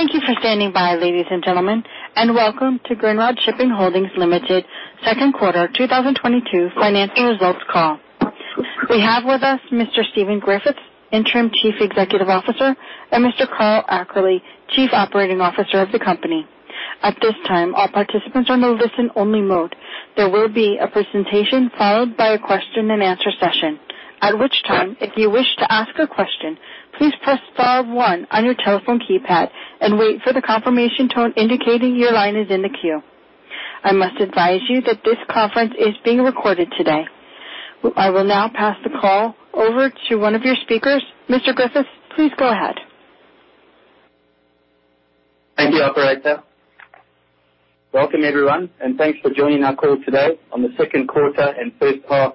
Thank you for standing by, ladies and gentlemen, and Welcome to Grindrod Shipping Holdings Ltd Second Quarter 2022 Financial Results Call. We have with us Mr. Stephen Griffiths, Interim Chief Executive Officer, and Mr. Carl Ackerley, Chief Operating Officer of the company. At this time, all participants are in a listen-only mode. There will be a presentation followed by a question-and-answer session. At which time, if you wish to ask a question, please press star one on your telephone keypad and wait for the confirmation tone indicating your line is in the queue. I must advise you that this conference is being recorded today. I will now pass the call over to one of your speakers. Mr. Griffiths, please go ahead. Thank you, operator. Welcome, everyone, and thanks for joining Our Call Today on The Second Quarter and First Half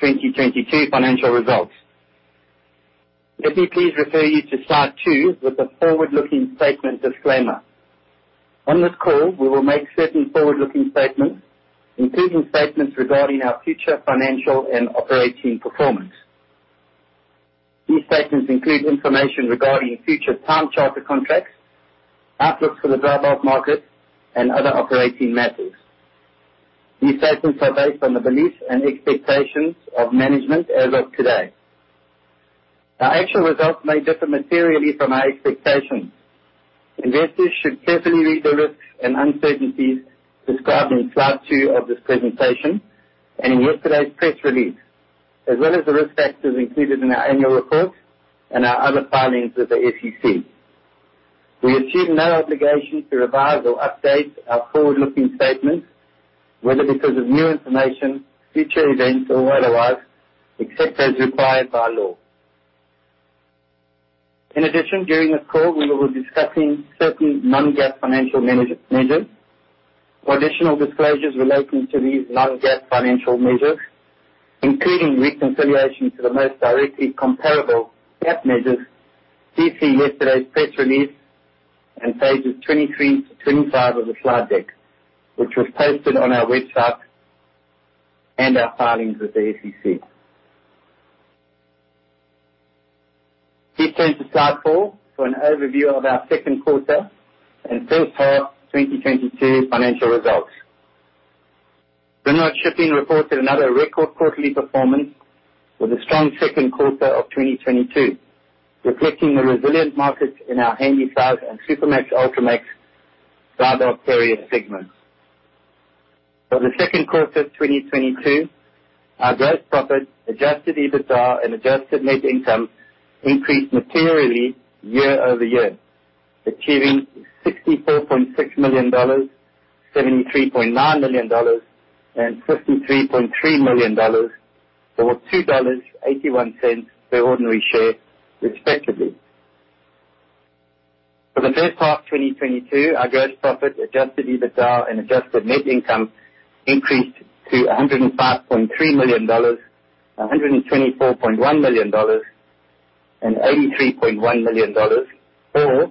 2022 Financial Results. Let me please refer you to slide two with the forward-looking statement disclaimer. On this call, we will make certain forward-looking statements, including statements regarding our future financial and operating performance. These statements include information regarding future time charter contracts, outlooks for the dry bulk markets, and other operating matters. These statements are based on the beliefs and expectations of management as of today. Our actual results may differ materially from our expectations. Investors should carefully read the risks and uncertainties described in slide two of this presentation and in yesterday's press release, as well as the risk factors included in our annual report and our other filings with the SEC. We assume no obligation to revise or update our forward-looking statements, whether because of new information, future events, or otherwise, except as required by law. In addition, during this call, we will be discussing certain non-GAAP financial measures. For additional disclosures relating to these non-GAAP financial measures, including reconciliation to the most directly comparable GAAP measures, please see yesterday's press release on pages 23-25 of the slide deck, which was posted on our website and our filings with the SEC. Please turn to slide four for an overview of our second quarter and first half 2022 financial results. Grindrod Shipping reported another record quarterly performance with a strong second quarter of 2022, reflecting the resilient markets in our Handysize and Supramax/Ultramax Dry Bulk carrier segments. For the second quarter of 2022, our gross profit, adjusted EBITDA, and adjusted net income increased materially year over year, achieving $64.6 million, $73.9 million, and $53.3 million, or $2.81 per ordinary share, respectively. For the first half 2022, our gross profit, adjusted EBITDA, and adjusted net income increased to $105.3 million, $124.1 million, and $83.1 million or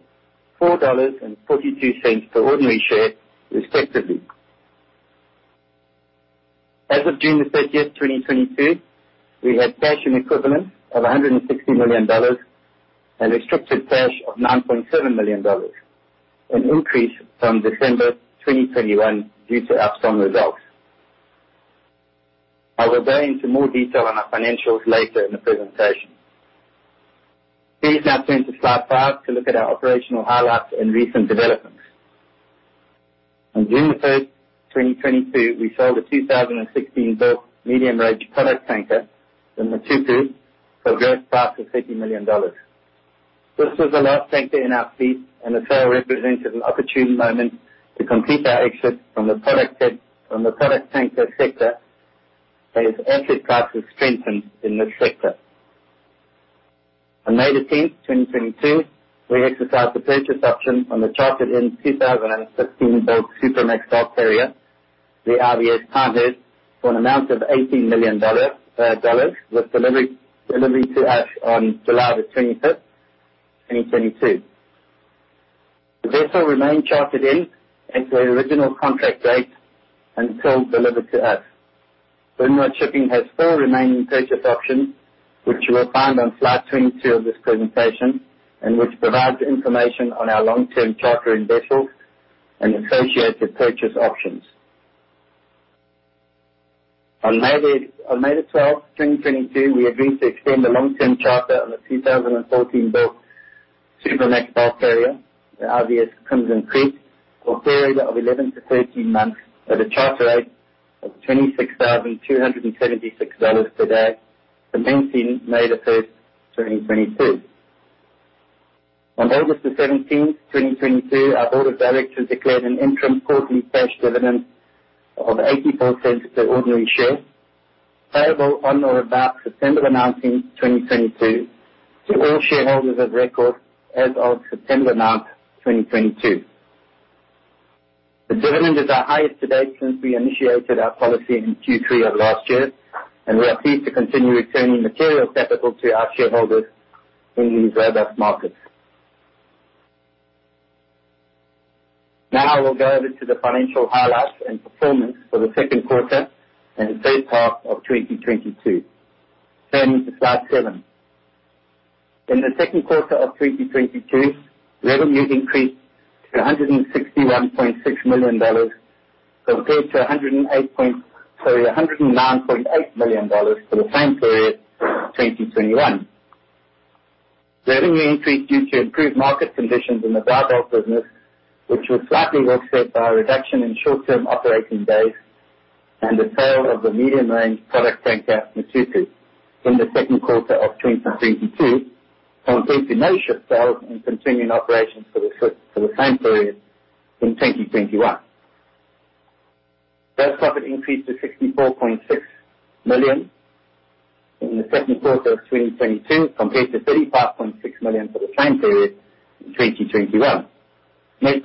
$4.42 per ordinary share, respectively. As of June 30, 2022, we had cash and equivalents of $160 million and restricted cash of $9.7 million, an increase from December 2021 due to our strong results. I will go into more detail on our financials later in the presentation. Please now turn to slide five to look at our operational highlights and recent developments. On June the 1st, 2022, we sold a 2016-built medium-range product tanker, the Matuku, for a gross profit of $50 million. This was the last tanker in our fleet, and the sale represents an opportune moment to complete our exit from the product tanker sector as asset classes strengthen in this sector. On May the 18th, 2022, we exercised the purchase option on the chartered-in 2015-built Supramax bulk carrier, the IVS Carlos, for an amount of $18 million with delivery to us on July the 25th, 2022. The vessel remained chartered in at the original contract date until delivered to us. Grindrod Shipping has four remaining purchase options, which you will find on slide 22 of this presentation, and which provides information on our long-term charter on vessels and associated purchase options. On May the 12th, 2022, we agreed to extend the long-term charter on the 2014-built Supramax bulk carrier, the IVS Crimson Creek, for a period of 11-13 months at a charter rate of $26,276 per day, commencing May the first, 2022. On August the 17th, 2022, our board of directors declared an interim quarterly cash dividend of $0.84 per ordinary share, payable on or about September the 19th, 2022 to all shareholders of record as of September the ninth, 2022. The dividend is our highest to date since we initiated our policy in Q3 of last year, and we are pleased to continue returning material capital to our shareholders in these robust markets. Now we'll go over to the financial highlights and performance for the second quarter and the first half of 2022. Turning to slide seven. In the second quarter of 2022, revenue increased to $161.6 million compared to $109.8 million for the same period, 2021. Revenue increased due to improved market conditions in the dry bulk business, which was slightly offset by a reduction in short-term operating days and the sale of the medium-range product tanker Matuku in the second quarter of 2022 compared to no ship sales and continuing operations for the same period in 2021. Gross profit increased to $64.6 million in the second quarter of 2022 compared to $35.6 million for the same period in 2021. Net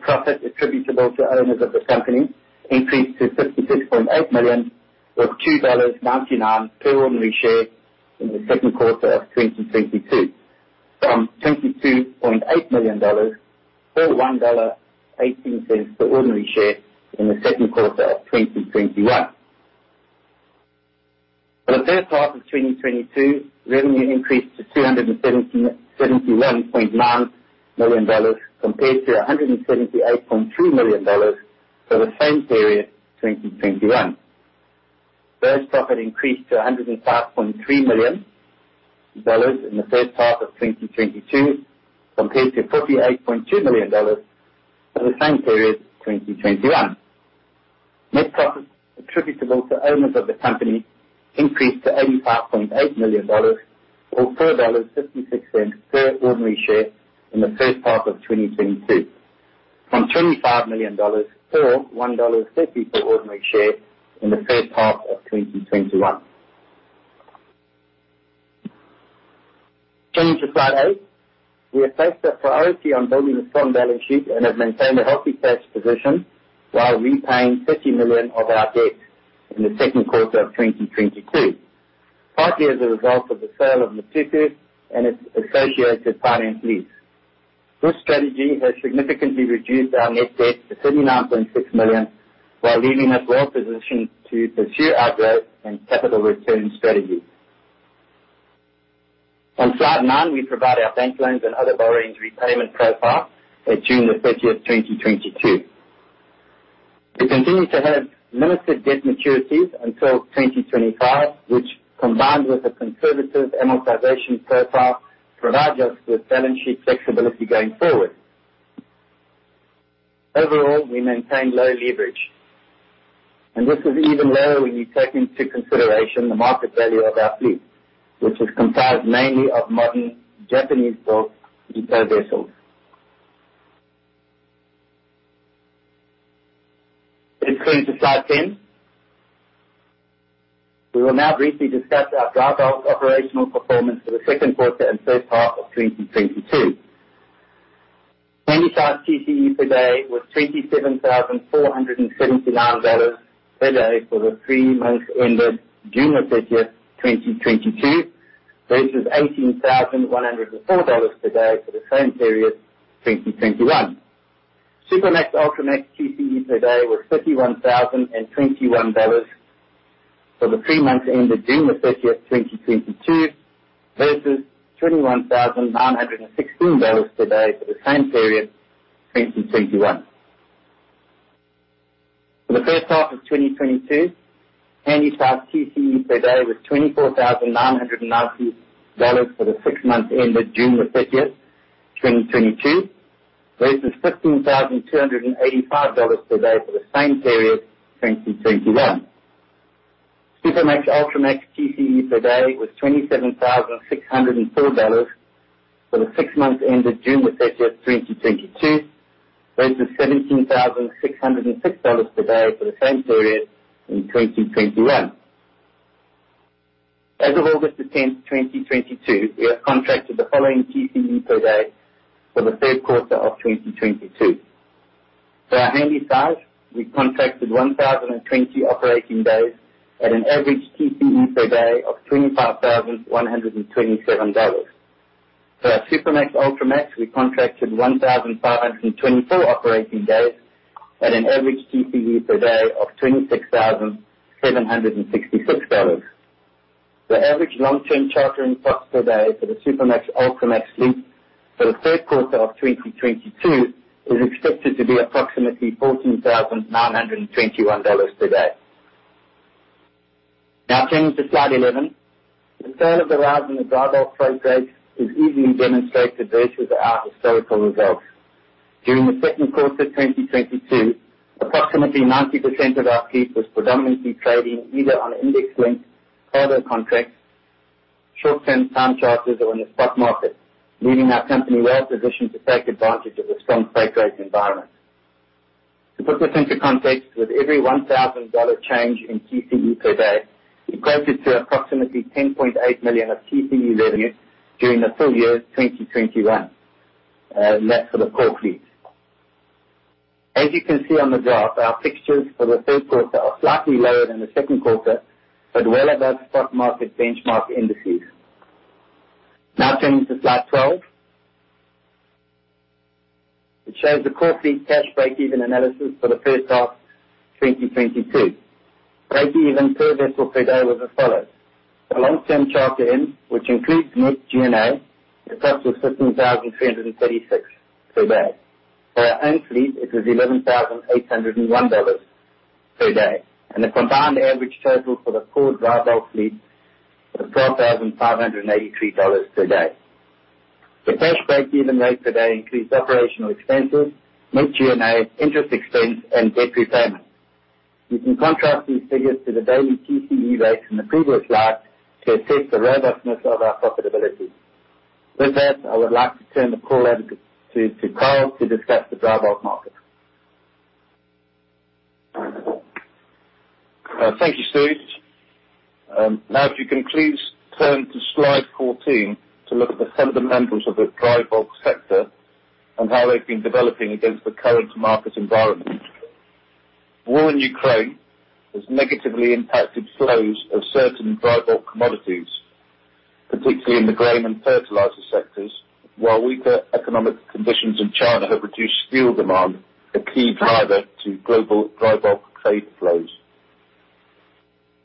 profit attributable to owners of the company increased to $56.8 million, or $2.99 per ordinary share in the second quarter of 2022 from $22.8 million or $1.18 per ordinary share in the second quarter of 2021. For the first half of 2022, revenue increased to $271.9 million compared to $178.3 million for the same period, 2021. Gross profit increased to $105.3 million in the first half of 2022 compared to $48.2 million for the same period, 2021. Net profit attributable to owners of the company increased to $85.8 million or $4.56 per ordinary share in the first half of 2022 from $25 million or $1.50 per ordinary share in the first half of 2021. Turning to slide eight. We have placed a priority on building a strong balance sheet and have maintained a healthy cash position while repaying $50 million of our debt in the second quarter of 2022, partly as a result of the sale of Matuku and its associated finance lease. This strategy has significantly reduced our net debt to $39.6 million, while leaving us well positioned to pursue our growth and capital return strategy. On slide nine, we provide our bank loans and other borrowings repayment profile at June 30, 2022. We continue to have limited debt maturities until 2025, which combined with a conservative amortization profile, provides us with balance sheet flexibility going forward. Overall, we maintain low leverage, and this is even lower when you take into consideration the market value of our fleet, which is comprised mainly of modern Japanese-built eco vessels. Please turn to slide 10. We will now briefly discuss our dry bulk operational performance for the second quarter and first half of 2022. Handysize TCE per day was $27,479 per day for the three months ended June 30, 2022, vs $18,104 per day for the same period, 2021. Supramax, Ultramax TCE per day was $51,021 dollars for the three months ended June 30, 2022, vs $21,916 per day for the same period, 2021. For the first half of 2022, Handysize TCE per day was $24,990 dollars for the six months ended June 30, 2022, vs $16,285 per day for the same period, 2021. Supramax, Ultramax TCE per day was $27,604 for the six months ended June 30, 2022, vs $17,606 per day for the same period in 2021. As of August 10, 2022, we have contracted the following TCE per day for the third quarter of 2022. For our Handysize, we contracted 1,020 operating days at an average TCE per day of $25,127. For our Supramax, Ultramax, we contracted 1,524 operating days at an average TCE per day of $26,766. The average long-term chartering costs per day for the Supramax, Ultramax fleet for the third quarter of 2022 is expected to be approximately $14,921 per day. Now turning to slide 11. The return of the rise in the dry bulk freight rate is easily demonstrated vs our historical results. During the second quarter of 2022, approximately 90% of our fleet was predominantly trading either on index-linked charter contracts, short-term time charters, or in the spot market, leaving our company well positioned to take advantage of the strong freight rate environment. To put this into context, with every $1,000 change in TCE per day equated to approximately $10.8 million of TCE revenue during the full year 2021, net for the core fleet. As you can see on the graph, our fixtures for the third quarter are slightly lower than the second quarter, but well above spot market benchmark indices. Now turning to slide 12. It shows the core fleet cash breakeven analysis for the first half 2022. Breakeven per vessel per day was as follows. The long-term charter ends, which includes net G&A, the cost was $15,336 per day. For our own fleet, it was $11,801 per day. The combined average total for the core dry bulk fleet was $12,583 per day. The cash breakeven rate today includes operational expenses, net G&A, interest expense and debt repayment. You can contrast these figures to the daily TCE rates in the previous slide to assess the robustness of our profitability. With that, I would like to turn the call over to Carl to discuss the dry bulk market. Thank you, Steve. Now if you can please turn to slide 14 to look at the fundamentals of the dry bulk sector and how they've been developing against the current market environment. War in Ukraine has negatively impacted flows of certain dry bulk commodities, particularly in the grain and fertilizer sectors, while weaker economic conditions in China have reduced steel demand, a key driver to global dry bulk trade flows.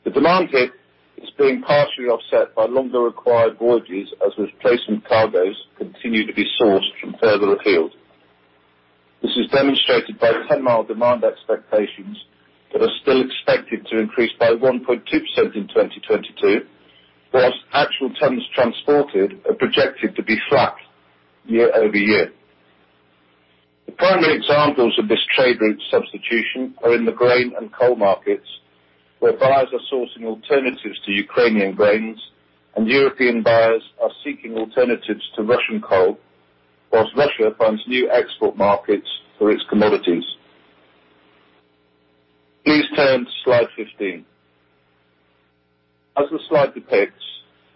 The demand hit is being partially offset by longer required voyages as replacement cargoes continue to be sourced from further afield. This is demonstrated by ton-mile demand expectations that are still expected to increase by 1.2% in 2022, while actual tons transported are projected to be flat year-over-year. The primary examples of this trade route substitution are in the grain and coal markets, where buyers are sourcing alternatives to Ukrainian grains and European buyers are seeking alternatives to Russian coal, while Russia finds new export markets for its commodities. Please turn to slide 15. As the slide depicts,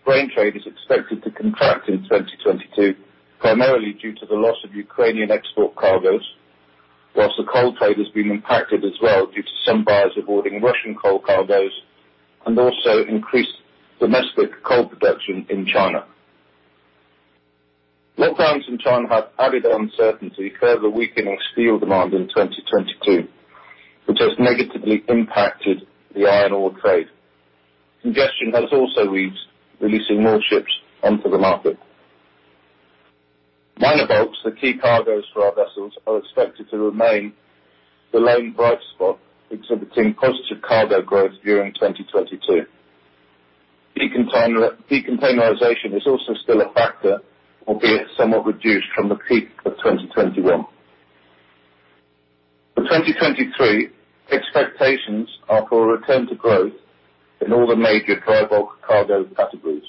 grain trade is expected to contract in 2022, primarily due to the loss of Ukrainian export cargoes, while the coal trade has been impacted as well due to some buyers avoiding Russian coal cargoes and also increased domestic coal production in China. Lockdowns in China have added uncertainty, further weakening steel demand in 2022, which has negatively impacted the iron ore trade. Congestion has also eased, releasing more ships onto the market. Minor bulks, the key cargoes for our vessels are expected to remain the lone bright spot, exhibiting positive cargo growth during 2022. Decontainerization is also still a factor, albeit somewhat reduced from the peak of 2021. For 2023, expectations are for a return to growth in all the major dry bulk cargo categories.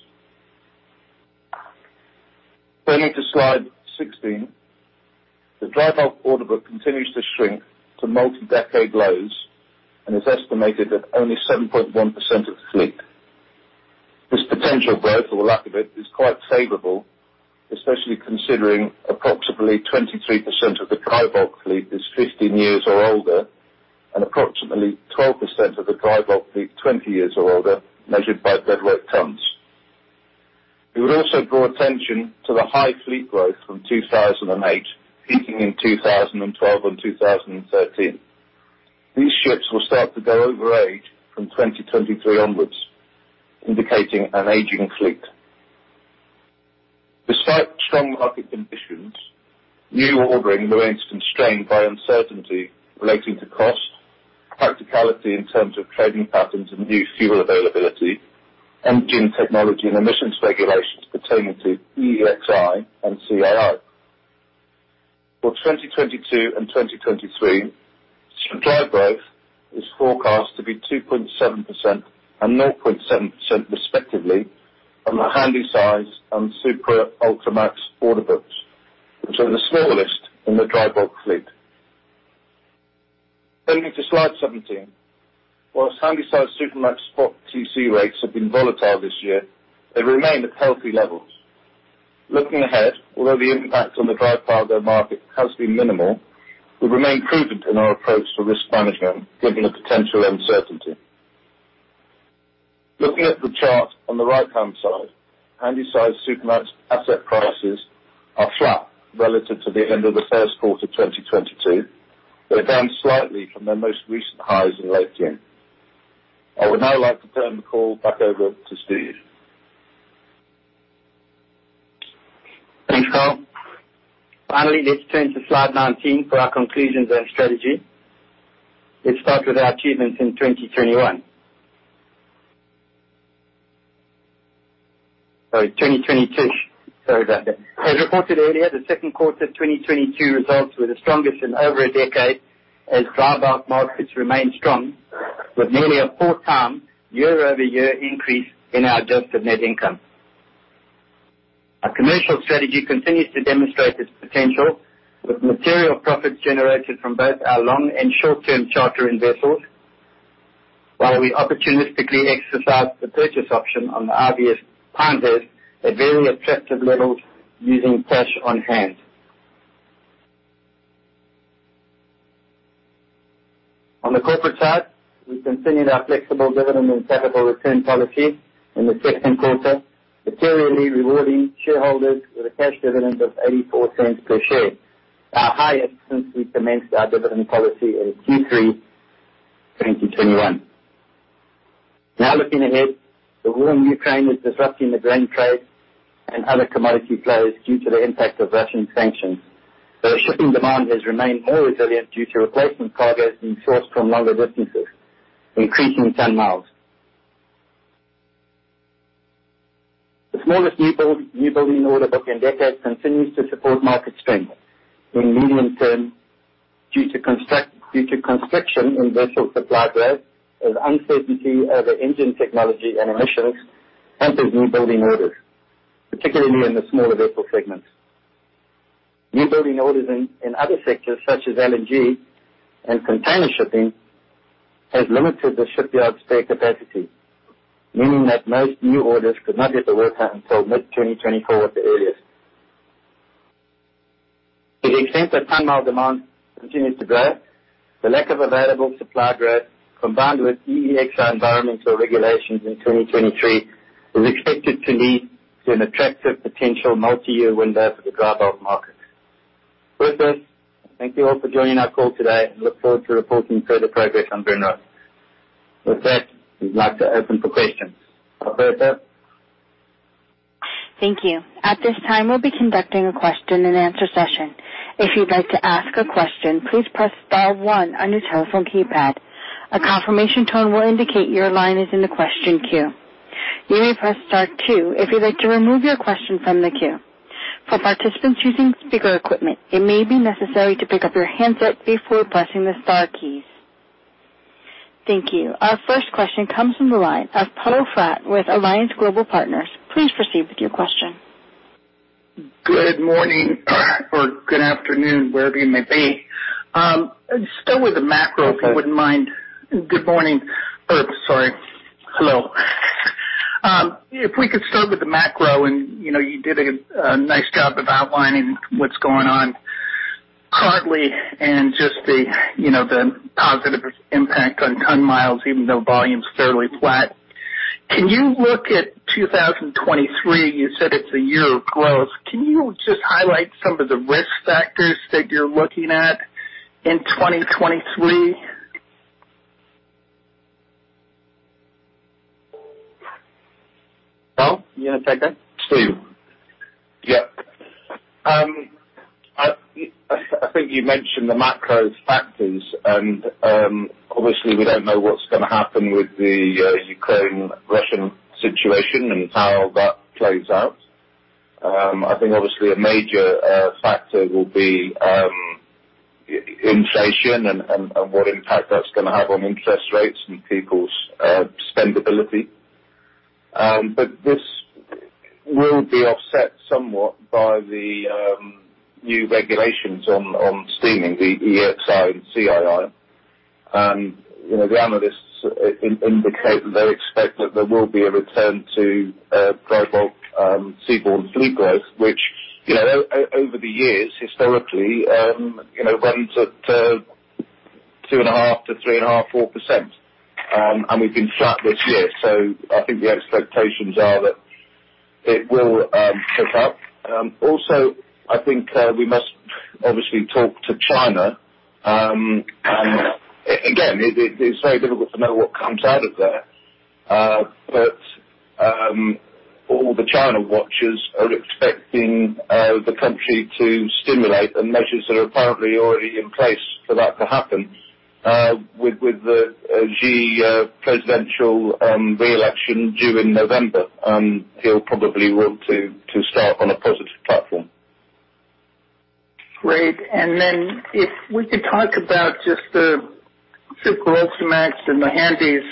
Turning to slide 16. The dry bulk order book continues to shrink to multi-decade lows and is estimated at only 7.1% of the fleet. This potential growth or lack of it is quite favorable, especially considering approximately 23% of the dry bulk fleet is 15 years or older, and approximately 12% of the dry bulk fleet 20 years or older, measured by deadweight tons. We would also draw attention to the high fleet growth from 2008, peaking in 2012 and 2013. These ships will start to go over age from 2023 onwards, indicating an aging fleet. Despite strong market conditions, new ordering remains constrained by uncertainty relating to cost, practicality in terms of trading patterns and new fuel availability, and due to technology and emissions regulations pertaining to EEXI and CII. For 2022 and 2023, ship supply growth is forecast to be 2.7% and 9.7% respectively on the Handysize and Supramax/Ultramax order books, which are the smallest in the dry bulk fleet. Turning to slide 17. While Handysize Supramax spot TC rates have been volatile this year, they remain at healthy levels. Looking ahead, although the impact on the dry cargo market has been minimal, we remain prudent in our approach to risk management given the potential uncertainty. Looking at the chart on the right-hand side, Handysize Supramax asset prices are flat relative to the end of the first quarter, 2022. They're down slightly from their most recent highs in late June. I would now like to turn the call back over to Stephen. Thanks, Carl. Finally, let's turn to slide 19 for our conclusions and strategy. Let's start with our achievements in 2021. Sorry, 2022. Sorry about that. As reported earlier, the second quarter 2022 results were the strongest in over a decade as dry bulk markets remained strong with nearly a four-time year-over-year increase in our adjusted net income. Our commercial strategy continues to demonstrate its potential with material profits generated from both our long and short-term charter-in vessels. While we opportunistically exercise the purchase option on the Supramaxes at very attractive levels using cash on hand. On the corporate side, we continued our flexible dividend and share buyback return policy in the second quarter, materially rewarding shareholders with a cash dividend of $0.84 per share, our highest since we commenced our dividend policy in Q3 2021. Now looking ahead, the war in Ukraine is disrupting the grain trades and other commodity flows due to the impact of Russian sanctions. The shipping demand has remained more resilient due to replacement cargoes being sourced from longer distances, increasing ton-miles. The smallest newbuilding order book in decades continues to support market strength in medium term due to constriction in ship supply growth as uncertainty over engine technology and emissions hampers newbuilding orders, particularly in the smaller vessel segments. Newbuilding orders in other sectors such as LNG and container shipping has limited the shipyard spare capacity, meaning that most new orders could not get to work until mid-2024 at the earliest. To the extent that ton-mile demand continues to grow, the lack of available supply growth combined with EEXI environmental regulations in 2023 is expected to lead to an attractive potential multiyear window for the dry bulk market. With this, thank you all for joining our call today and look forward to reporting further progress on Grindrod. With that, we'd like to open for questions. Operator? Thank you. At this time, we'll be conducting a question and answer session. If you'd like to ask a question, please press star one on your telephone keypad. A confirmation tone will indicate your line is in the question queue. You may press star two if you'd like to remove your question from the queue. For participants using speaker equipment, it may be necessary to pick up your handset before pressing the star keys. Thank you. Our first question comes from the line of Poe Fratt with Alliance Global Partners. Please proceed with your question. Good morning or good afternoon, wherever you may be. Still with the macro- Okay. If you wouldn't mind. Good morning, everyone. Sorry. Hello. If we could start with the macro and, you know, you did a nice job of outlining what's going on currently and just the, you know, the positive impact on ton-miles, even though volume's fairly flat. Can you look at 2023? You said it's a year of growth. Can you just highlight some of the risk factors that you're looking at in 2023? Carl, you gonna take that? Stephen. Yeah. I think you mentioned the macro factors, and obviously we don't know what's gonna happen with the Ukraine-Russia situation and how that plays out. I think obviously a major factor will be inflation and what impact that's gonna have on interest rates and people's spendability. But this will be offset somewhat by the new regulations on steaming, the EEXI and CII. You know, the analysts indicate that they expect that there will be a return to dry bulk seaborne fleet growth, which you know over the years historically you know runs at 2.5%-3.5%,4%. We've been flat this year. I think the expectations are that it will pick up. Also, I think we must obviously talk to China. Again, it's very difficult to know what comes out of there. All the China watchers are expecting the country to stimulate, and measures are apparently already in place for that to happen. With the Xi presidential reelection due in November, he'll probably want to start on a positive platform. Great. Then if we could talk about just the Capesize, the Max and the Handysize,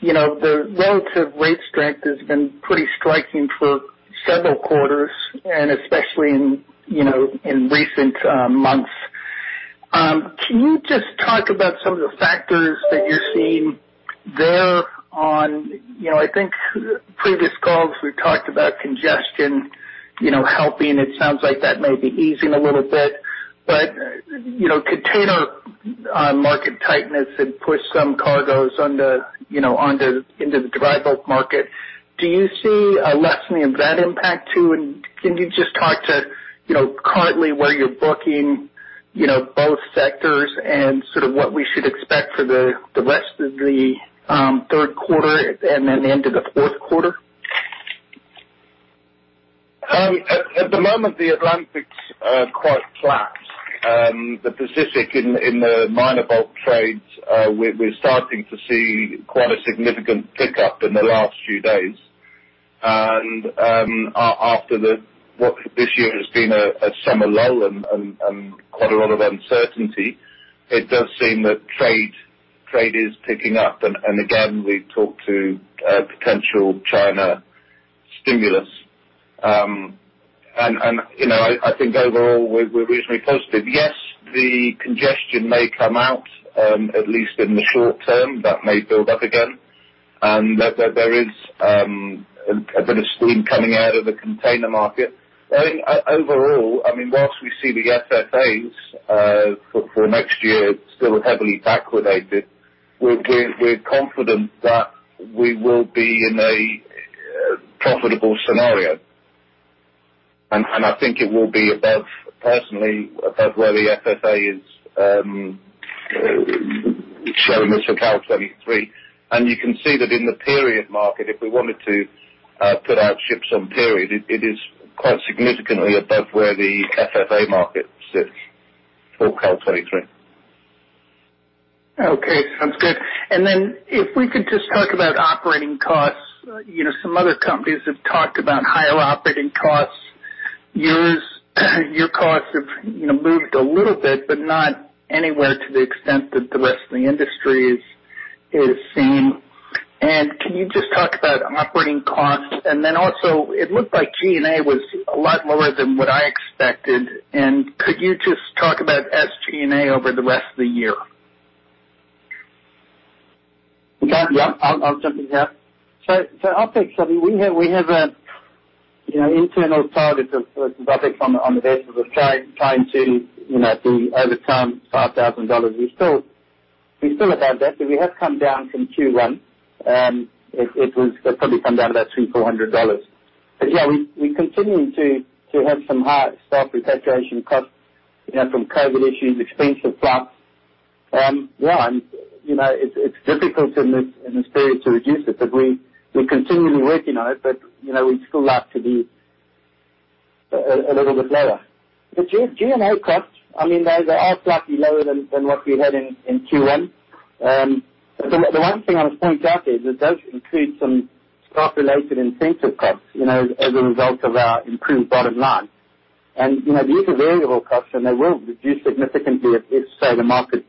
you know, the relative rate strength has been pretty striking for several quarters and especially in, you know, in recent months. Can you just talk about some of the factors that you're seeing there. You know, I think previous calls we talked about congestion, you know, helping, it sounds like that may be easing a little bit. But, you know, container market tightness had pushed some cargoes onto into the dry bulk market. Do you see a lessening of that impact too? Then can you just talk to, you know, currently where you're booking, you know, both sectors and sort of what we should expect for the rest of the third quarter and then into the fourth quarter? At the moment, the Atlantics are quite flat. The Pacific, in the minor bulks, we're starting to see quite a significant pickup in the last few days. After what this year has been a summer lull and quite a lot of uncertainty, it does seem that trade is picking up. Again, we've talked to potential China. I think overall we're reasonably positive. Yes, the congestion may come out, at least in the short term, that may build up again. There is a bit of steam coming out of the container market. I think overall, I mean, while we see the FFAs for next year still heavily backwardated, we're confident that we will be in a profitable scenario. I think it will be above, personally, above where the FFA is showing us for Cal 23. You can see that in the period market, if we wanted to put our ships on period, it is quite significantly above where the FFA market sits for Cal 23. Okay, sounds good. If we could just talk about operating costs. You know, some other companies have talked about higher operating costs. Yours, your costs have, you know, moved a little bit, but not anywhere to the extent that the rest of the industry is seeing. Can you just talk about operating costs? It looked like G&A was a lot lower than what I expected. Could you just talk about SG&A over the rest of the year? Okay. Yeah. I'll jump in here. So OpEx, I mean, we have a you know internal target of OpEx on the vessel. We're trying to you know be over $10,500. We're still above that, but we have come down from Q1. It's probably come down to about $300-$400. But yeah, we continue to have some high staff repatriation costs, you know, from COVID issues, expensive flights. Yeah, and you know, it's difficult in this period to reduce it, but we're continually working on it. But you know, we'd still like to be a little bit lower. The G&A costs, I mean, they are slightly lower than what we had in Q1. The one thing I would point out is it does include some stock-related incentive costs, you know, as a result of our improved bottom line. You know, these are variable costs and they will reduce significantly if, say, the market,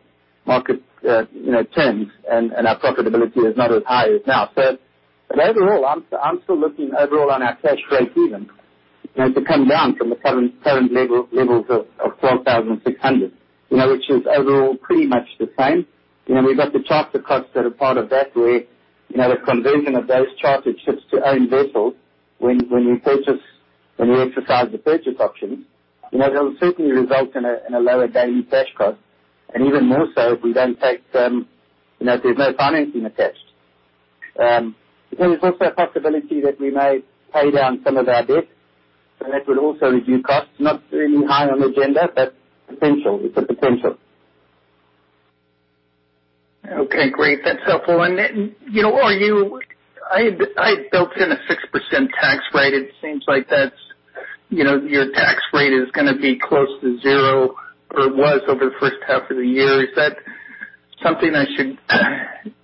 you know, turns and our profitability is not as high as now. Overall, I'm still looking overall on our cash break-even, you know, to come down from the current levels of $4,600, you know, which is overall pretty much the same. You know, we've got the charter costs that are part of that where, you know, the conversion of those charter ships to own vessels when we purchase, when we exercise the purchase option, you know, that will certainly result in a lower daily cash cost and even more so if we don't take them, you know, there's no financing attached. There is also a possibility that we may pay down some of our debts, and that would also reduce costs. Not really high on the agenda, but potential. It's a potential. Okay, great. That's helpful. You know, I had built in a 6% tax rate. It seems like that's, you know, your tax rate is gonna be close to zero, or it was over the first half of the year. Is that something I should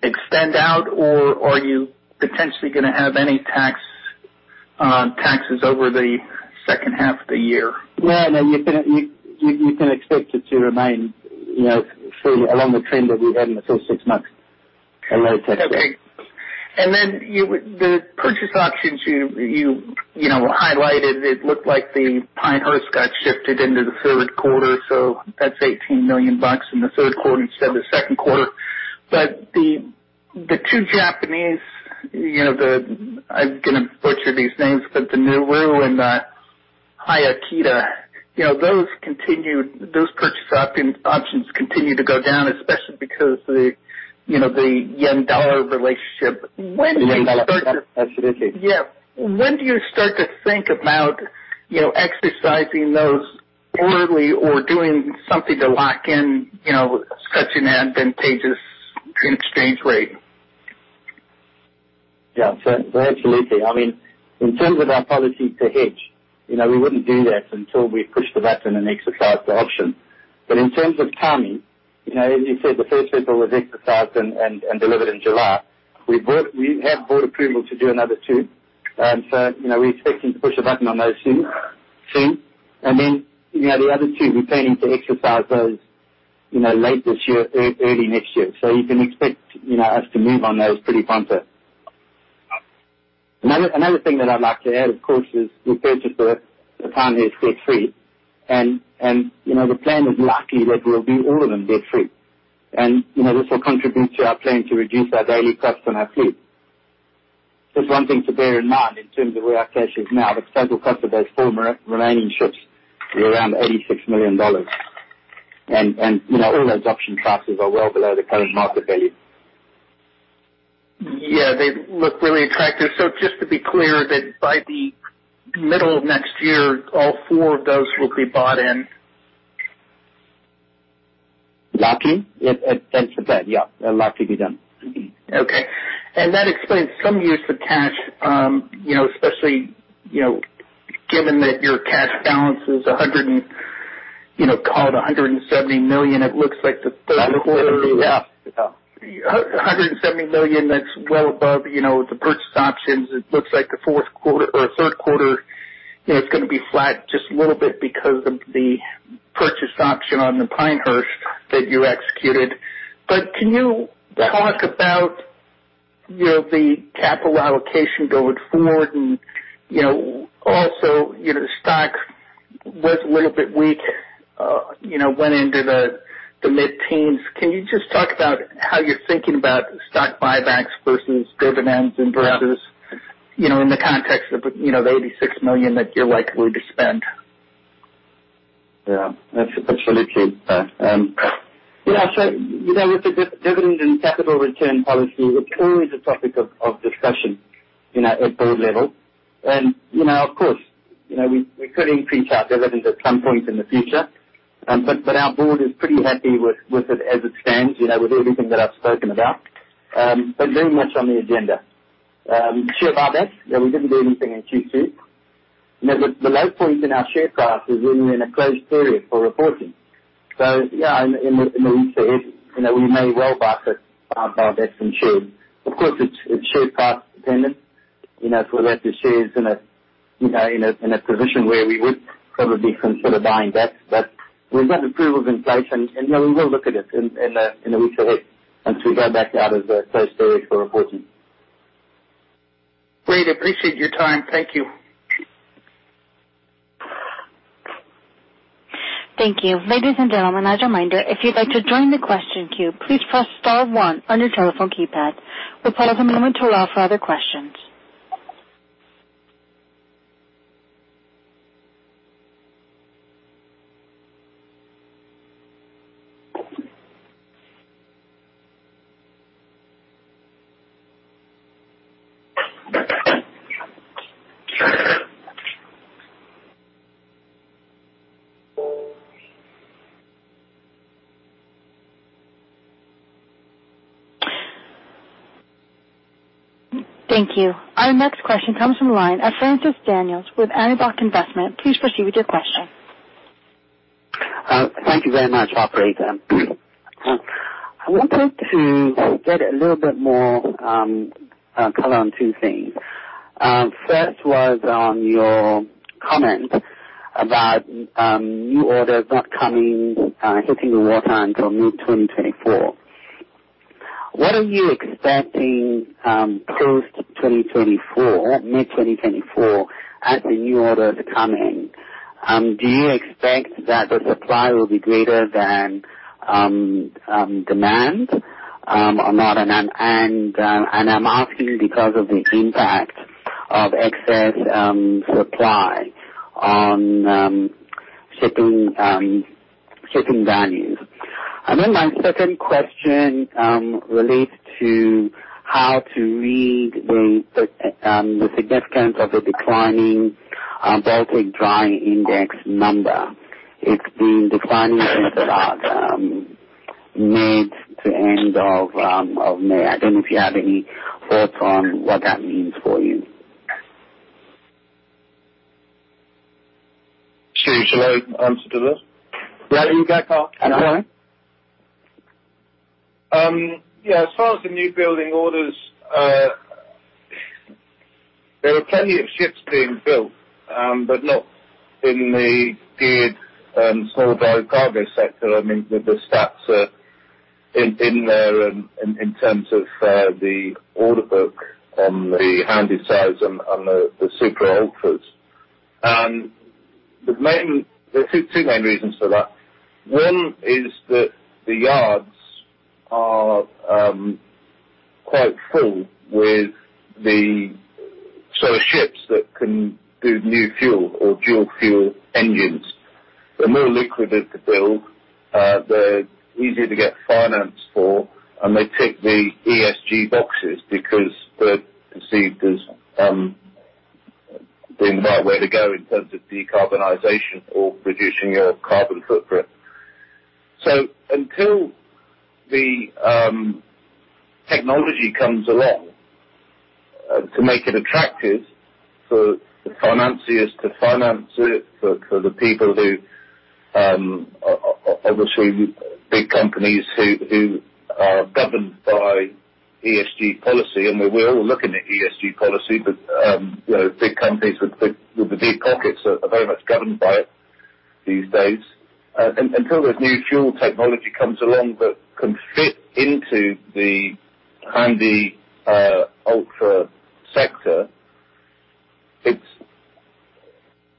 extend out or are you potentially gonna have any taxes over the second half of the year? No, you can expect it to remain, you know, following the trend that we had in the first six months, a low tax rate. Okay. The purchase options you know highlighted, it looked like the IVS Carlos got shifted into the third quarter, so that's $18 million in the third quarter instead of the second quarter. The two Japanese, you know. I'm gonna butcher these names, but the Naruo and Hyakita, you know, those purchase options continued to go down, especially because you know the yen-dollar relationship. When do you start to? Absolutely. Yeah. When do you start to think about, you know, exercising those early or doing something to lock in, you know, such an advantageous exchange rate? Yeah. Absolutely. I mean, in terms of our policy to hedge, you know, we wouldn't do that until we push the button and exercise the option. In terms of timing, you know, as you said, the first vessel was exercised and delivered in July. We have board approval to do another two. You know, we're expecting to push a button on those soon. You know, the other two, we're planning to exercise those, you know, late this year, early next year. You can expect, you know, us to move on those pretty pronto. Another thing that I'd like to add, of course, is we purchased the Kaimai debt-free. You know, the plan is likely that we'll be all of them debt-free. You know, this will contribute to our plan to reduce our daily costs on our fleet. Just one thing to bear in mind in terms of where our cash is now, the total cost of those four remaining ships is around $86 million. You know, all those option prices are well below the current market value. Yeah, they look really attractive. Just to be clear that by the middle of next year, all four of those will be bought in. Lucky. It should be, yeah. They'll likely be done. Okay. That explains some use of cash, you know, especially, you know, given that your cash balance, you know, call it $170 million. It looks like the third quarter. Yeah. $170 million, that's well above, you know, the purchase options. It looks like the fourth quarter or third quarter. It's gonna be flat just a little bit because of the purchase option on the Pinehurst that you executed. Can you talk about, you know, the capital allocation going forward and, you know, also, you know, stock was a little bit weak, you know, went into the mid-teens. Can you just talk about how you're thinking about stock buybacks vs dividends and vs- Yeah. You know, in the context of, you know, the $86 million that you're likely to spend? Yeah. That's actually cheap. Yeah. You know, with the dividend and capital return policy, it's always a topic of discussion, you know, at board level. You know, of course, you know, we could increase our dividends at some point in the future. But our board is pretty happy with it as it stands, you know, with everything that I've spoken about, but very much on the agenda. Share buybacks, yeah, we didn't do anything in Q2. The low point in our share price was when we're in a closed period for reporting. Yeah, in the weeks ahead, you know, we may well buy some, buy back some shares. Of course, it's share price dependent, you know, for that the share is in a position where we would probably consider buying back. We've got approvals in place and, you know, we will look at it in the weeks ahead once we go back out of the closed period for reporting. Great. Appreciate your time. Thank you. Thank you. Ladies and gentlemen, as a reminder, if you'd like to join the question queue, please press star one on your telephone keypad. We'll pause a moment to allow for other questions. Thank you. Our next question comes from the line of Francis Daniels with Anibok Investment. Please proceed with your question. Thank you very much, operator. I wanted to get a little bit more color on two things. First was on your comment about new orders not coming hitting the water until mid-2024. What are you expecting post-2024, mid-2024 as the new orders are coming? Do you expect that the supply will be greater than demand, or not? I'm asking because of the impact of excess supply on shipping values. My second question relates to how to read the significance of the declining Baltic Dry Index number. It's been declining since about mid- to end of May. I don't know if you have any thoughts on what that means for you. Stephen, shall I answer to this? Yeah, you go Carl. Yeah. As far as the new building orders, there are plenty of ships being built, but not in the geared small dry cargo sector. I mean, the stats are in there in terms of the order book on the Handysizes and the Supramax/Ultramaxes. There are two main reasons for that. One is that the yards are quite full with the larger ships that can do new fuel or dual fuel engines. They're more lucrative to build, they're easier to get financed for, and they tick the ESG boxes because they're perceived as the right way to go in terms of decarbonization or reducing your carbon footprint. Until the technology comes along to make it attractive for the financiers to finance it, for the people who obviously big companies who are governed by ESG policy, and we're all looking at ESG policy. You know, big companies with the deep pockets are very much governed by it these days. Until this new fuel technology comes along that can fit into the Handysize Ultramax sector,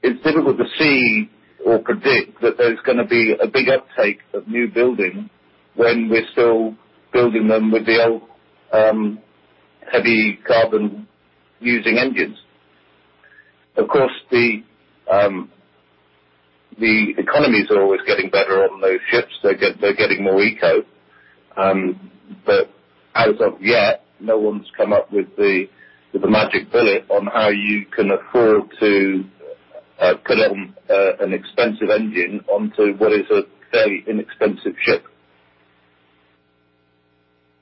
it's difficult to see or predict that there's gonna be a big uptake of new building when we're still building them with the old heavy carbon using engines. Of course, the economies are always getting better on those ships. They're getting more eco. As of yet, no one's come up with the magic bullet on how you can afford to put on an expensive engine onto what is a very inexpensive ship.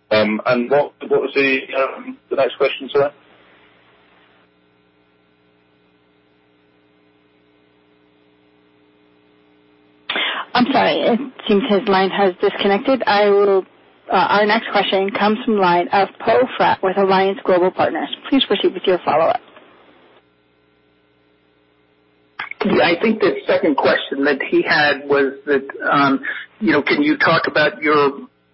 What was the next question, sir? I'm sorry. It seems his line has disconnected. Our next question comes from line of Poe Fratt with Alliance Global Partners. Please proceed with your follow-up. Yeah, I think the second question that he had was that, you know, can you talk about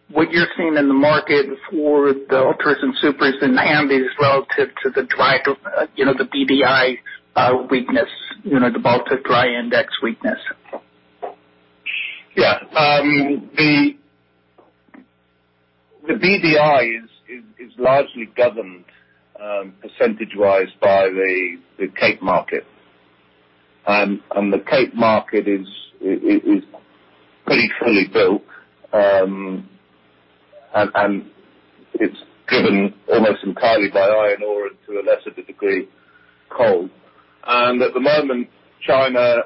what you're seeing in the market for the Ultras and Supers in the Handysize relative to the BDI weakness. You know, the Baltic Dry Index weakness. Yeah. The BDI is largely governed percentage-wise by the Cape market. The Cape market is pretty fully built. It's driven almost entirely by iron ore to a lesser degree, coal. At the moment, China's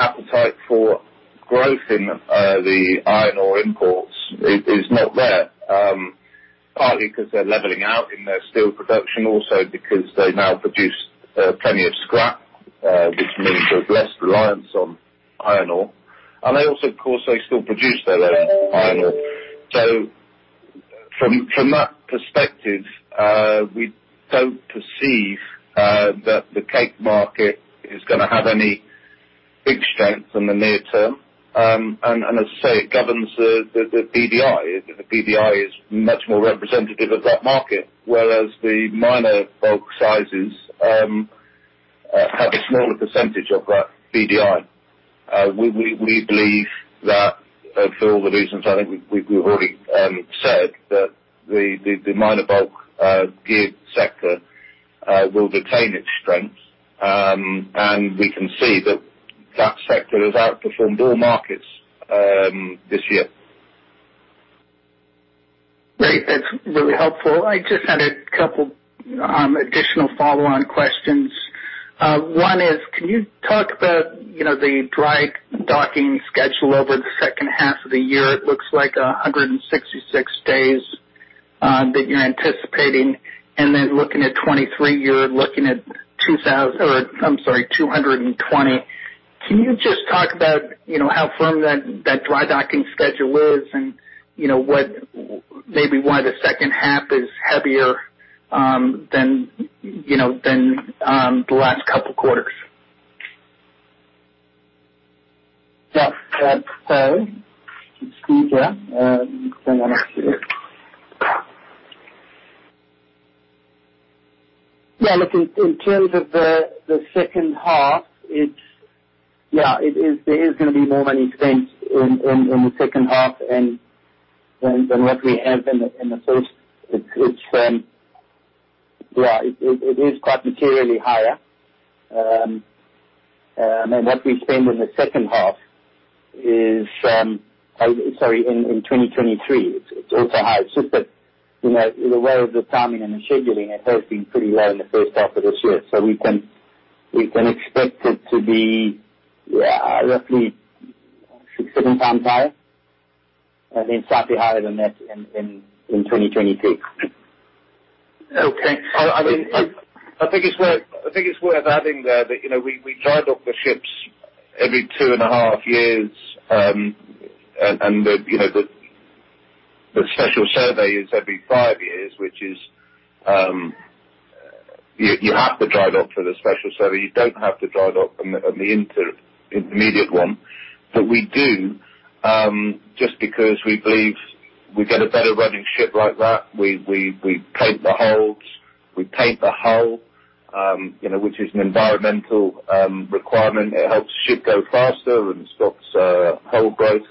appetite for growth in the iron ore imports is not there, partly 'cause they're leveling out in their steel production also because they now produce plenty of scrap, which means there's less reliance on iron ore. They also, of course, still produce their own iron ore. From that perspective, we don't perceive that the Cape market is gonna have any big strength in the near term. As I say, it governs the BDI. The BDI is much more representative of that market, whereas the minor bulk sizes have a smaller percentage of that BDI. We believe that for all the reasons I think we've already said that the minor bulk geared sector will retain its strength. We can see that that sector has outperformed all markets this year. Great. That's really helpful. I just had a couple additional follow-on questions. One is, can you talk about, you know, the dry docking schedule over the second half of the year? It looks like 166 days that you're anticipating, and then looking at 2023, you're looking at 220. Can you just talk about, you know, how firm that dry docking schedule is and maybe why the second half is heavier than the last couple quarters? Yeah. It's Stephen. Hang on a sec. Yeah, look, in terms of the second half, it is. There is gonna be more money spent in the second half than what we have in the first. It is quite materially higher. And what we spend in the second half is, in 2023, it is also high. It is just that, you know, in the way of the timing and the scheduling, it has been pretty low in the first half of this year. We can expect it to be roughly six to seven times higher, I mean, slightly higher than that in 2022. Okay. I mean, I think it's worth adding there that, you know, we dry dock the ships every two and a half years. The special survey is every five years, which is you have to dry dock for the special survey. You don't have to dry dock on the intermediate one. We do just because we believe we get a better running ship like that. We paint the holds, we paint the hull, you know, which is an environmental requirement. It helps the ship go faster and stops hull growth.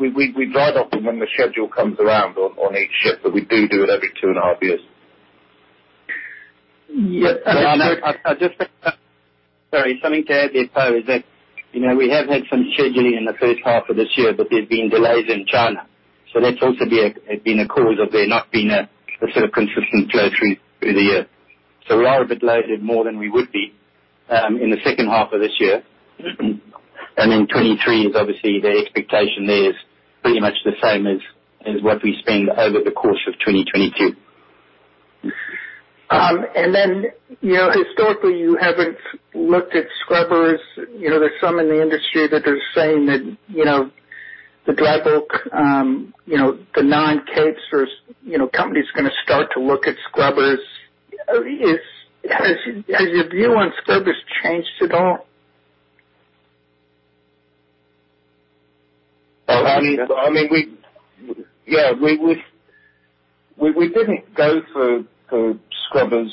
We dry dock them when the schedule comes around on each ship, but we do it every two and a half years. Sorry. Something to add there, Poe, is that, you know, we have had some scheduling in the first half of this year, but there's been delays in China. So that's also have been a cause of there not being a sort of consistent flow through the year. We are a bit delayed more than we would be in the second half of this year. Then 2023 is obviously the expectation there is pretty much the same as what we spend over the course of 2022. You know, historically, you haven't looked at scrubbers. You know, there's some in the industry that are saying that, you know, the dry bulk, you know, the non-Capes or, you know, companies gonna start to look at scrubbers. Has your view on scrubbers changed at all? I mean, Yeah, we didn't go for scrubbers.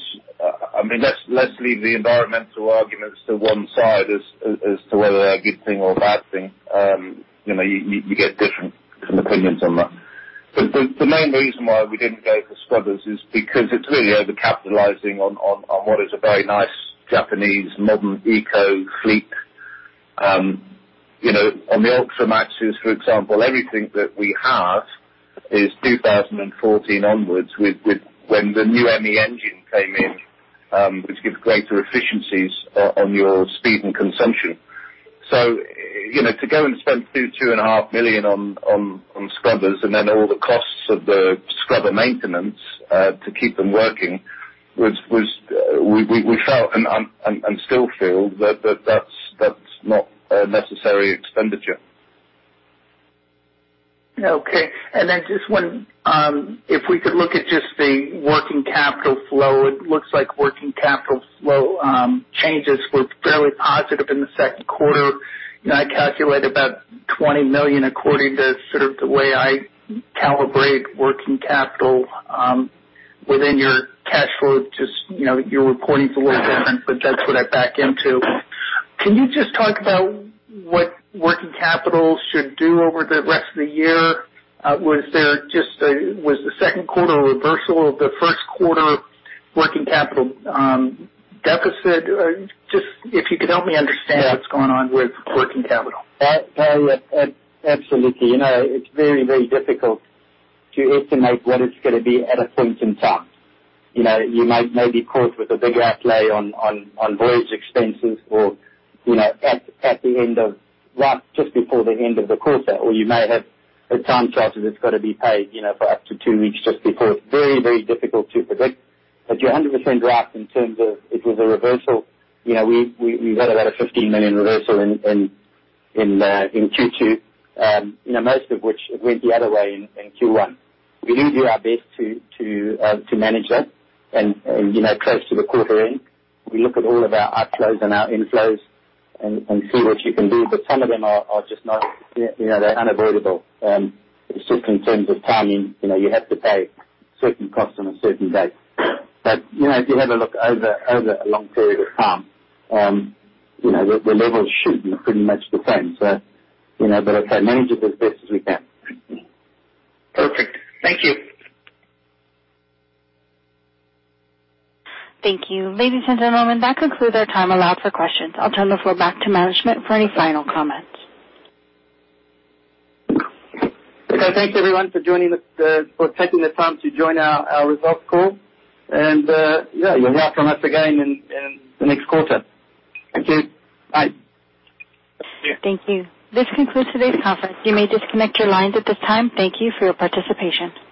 I mean, let's leave the environmental arguments to one side as to whether they're a good thing or a bad thing. You know, you get different kind of opinions on that. The main reason why we didn't go for scrubbers is because it's really overcapitalizing on what is a very nice Japanese modern eco fleet. You know, on the Ultramaxes, for example, everything that we have is 2014 onwards with when the new ME engine came in, which gives greater efficiencies on your speed and consumption. You know, to go and spend $2.5 million on scrubbers and then all the costs of the scrubber maintenance to keep them working. We felt and still feel that that's not a necessary expenditure. Okay. Then just one, if we could look at just the working capital flow. It looks like working capital flow changes were fairly positive in the second quarter. I calculate about $20 million according to sort of the way I calibrate working capital within your cash flow, just, you know, your reporting's a little different, but that's what I back into. Can you just talk about what working capital should do over the rest of the year? Was the second quarter a reversal of the first quarter working capital deficit? Or just if you could help me understand what's going on with working capital. Absolutely. You know, it's very difficult to estimate what it's gonna be at a point in time. You know, you might be caught with a big outlay on voyage expenses or, you know, right just before the end of the quarter, or you may have, at times, charges that's gotta be paid, you know, for up to two weeks just before. It's very difficult to predict. You're 100% right in terms of it was a reversal. You know, we had about a $15 million reversal in Q2. You know, most of which went the other way in Q1. We do our best to manage that. Close to the quarter end, we look at all of our outflows and our inflows and see what you can do. Some of them are just not, you know, they're unavoidable. It's just in terms of timing. You know, you have to pay certain costs on a certain date. You know, if you have a look over a long period of time, you know, the levels should be pretty much the same. You know, but if I manage it as best as we can. Perfect. Thank you. Thank you. Ladies and gentlemen, that concludes our time allowed for questions. I'll turn the floor back to management for any final comments. Okay, thank you everyone for joining us, for taking the time to join our results call. Yeah, you'll hear from us again in the next quarter. Thank you. Bye. See you. Thank you. This concludes today's conference. You may disconnect your lines at this time. Thank you for your participation.